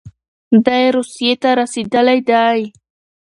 دی روسيې ته رسېدلی دی.